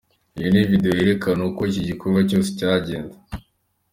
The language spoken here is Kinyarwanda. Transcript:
Iyi ni video yerekana uko iki gikorwa cyose cyagenze.